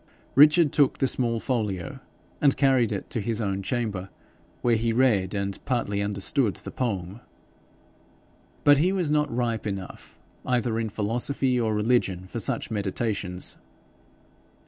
Richard took the small folio and carried it to his own chamber, where he read and partly understood the poem. But he was not ripe enough either in philosophy or religion for such meditations.